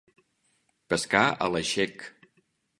Pescar a l'aixec.